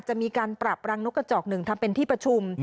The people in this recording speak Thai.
จะมีการปรับรังนกกระจอกหนึ่งทำเป็นที่ประชุม